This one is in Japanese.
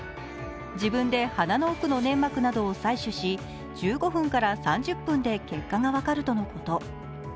自分で鼻の奥の粘膜などを採取し、１５分から３０分で結果が分かるとのこと。